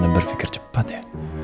dan berpikir cepat ya